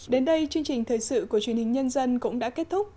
đến đây chương trình thời sự của truyền hình nhân dân cũng đã kết thúc